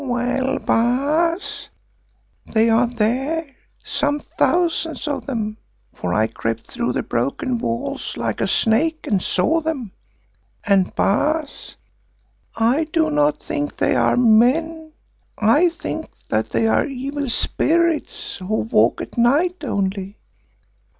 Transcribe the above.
"Well, Baas, they are there, some thousands of them, for I crept through the broken walls like a snake and saw them. And, Baas, I do not think they are men, I think that they are evil spirits who walk at night only."